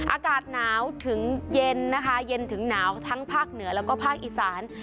อากาศหนาวถึงเย็นนะคะเย็นถึงหนาวทั้งภาคเหนือแล้วก็ภาคอีสาน